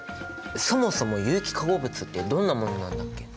そもそも有機化合物ってどんなものなんだっけ？